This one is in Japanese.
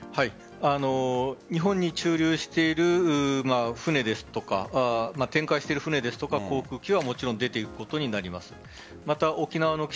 日本に駐留している船ですとか展開している船ですとか航空機は出て行くことになります。